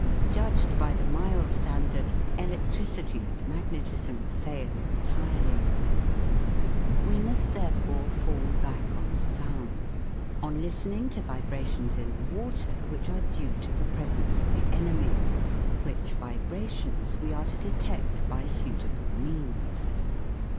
Judged by the " mile " standard, elec tricity and magnetism fail entirely. We must therefore fall back on sound : on listen ing to vibrations in the water which are due to the presence of the enemy, which vibrations we are to detect by suitable means.